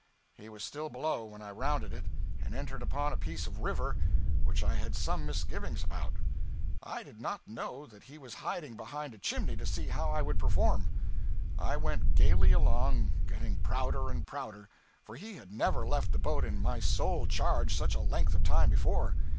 He was still below when I rounded it and entered upon a piece of river which I had some misgivings about. I did not know that he was hiding behind a chimney to see how I would perform. I went gaily along, getting prouder and prouder, for he had never left the boat in my sole charge such a length of time before.